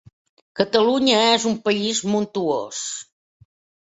Catalunya és un país montuós.